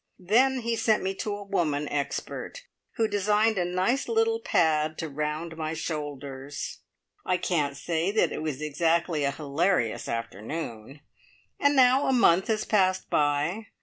Then he sent me to a woman expert, who designed a nice little pad to round my shoulders. I can't say that it was exactly a hilarious afternoon! And now a month has passed by.